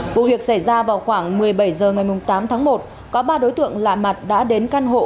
vụ việc xảy ra vào khoảng một mươi bảy h ngày tám tháng một có ba đối tượng lạ mặt đã đến căn hộ